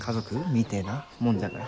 みてえなもんじゃから。